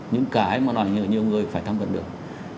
những cái mà nói nhiều người phải tham vận được